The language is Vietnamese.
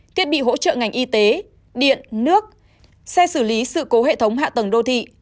thiết bị hỗ trợ ngành y tế điện nước xe xử lý sự cố hệ thống hạ tầng đô thị